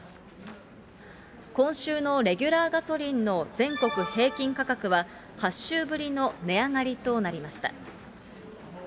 今週のレギュラーガソリンの全国平均価格は、８週ぶりの値上がりとなりました。